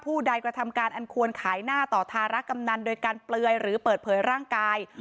ใดกระทำการอันควรขายหน้าต่อธารกำนันโดยการเปลือยหรือเปิดเผยร่างกาย